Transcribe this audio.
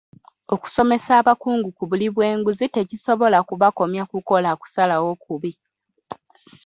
Okusomesa abakungu ku buli bw'enguzi tekisobola kubakomya kukola kusalawo kubi.